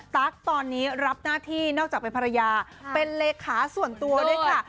ตั๊กตอนนี้รับหน้าที่นอกจากเป็นภรรยาเป็นเลขาส่วนตัวด้วยค่ะ